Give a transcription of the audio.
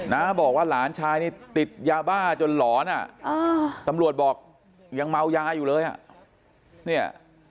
น้าบอกว่าหลานชายนี่ติดยาบ้าจนหลอนอ่ะตำรวจบอกยังเมายาอยู่เลยอ่ะเนี่ย